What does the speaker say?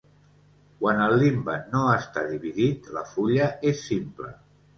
Quan el limbe no està dividit, la fulla és simple.